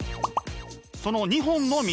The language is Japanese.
その２本の道。